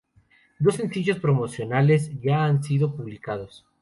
Dos sencillos promocionales ya han sido publicados.